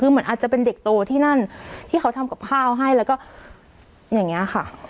คือเหมือนอาจจะเป็นเด็กโตที่นั่นที่เขาทำกับข้าวให้แล้วก็อย่างนี้ค่ะ